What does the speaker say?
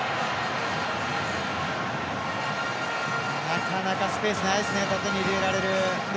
なかなかスペースないですね、入れられる。